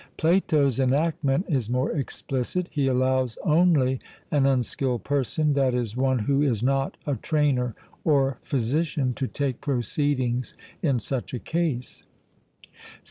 Plato's enactment is more explicit: he allows only an unskilled person (i.e. one who is not a trainer or physician) to take proceedings in such a case.